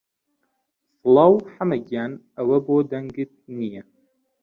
سڵاو حەمە گیان، ئەوە بۆ دەنگت نییە؟